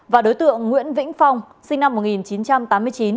và đối tượng nguyễn vĩnh phong sinh năm một nghìn chín trăm tám mươi chín